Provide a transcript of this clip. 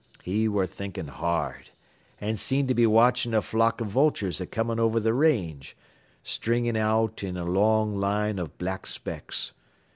He ware thinkin' hard, an' seemed to be watchin' a flock av vultures a comin' over th' range, stringin' out in a long line av black specks.